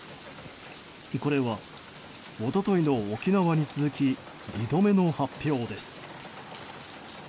これは、一昨日の沖縄に続き２度目の発表です。